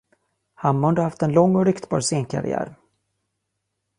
Hammond har haft en lång och ryktbar scenkarriär.